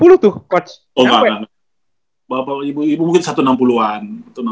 bapak ibu ibu mungkin satu ratus enam puluh an